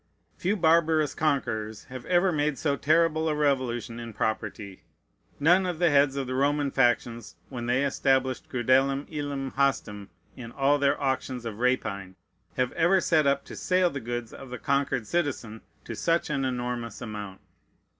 Few barbarous conquerors have ever made so terrible a revolution in property. None of the heads of the Roman factions, when they established crudelem illam hastam in all their auctions of rapine, have ever set up to sale the goods of the conquered citizen to such an enormous amount.